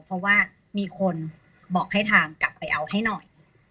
เพราะว่ามีคนบอกให้ทางกลับไปเอาให้หน่อย